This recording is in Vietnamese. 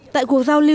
tại cuộc giao lưu